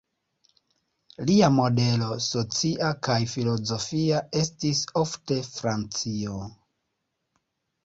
Lia modelo socia kaj filozofia estis ofte Francio.